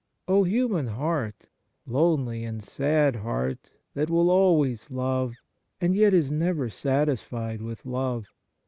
2 O human heart, lonely and sad heart that will always love and yet is never satis fied with love